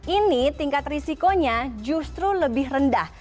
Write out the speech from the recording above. ini tingkat risikonya justru lebih rendah